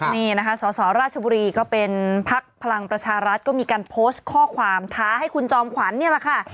นี่นะคะสสราชบุรีก็เป็นพักพลังประชารัฐก็มีการโพสต์ข้อความท้าให้คุณจอมขวัญนี่แหละค่ะ